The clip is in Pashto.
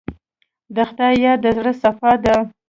د خدای یاد د زړه صفا ده.